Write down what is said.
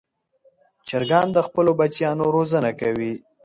چرګان د خپلو بچیانو روزنه کوي.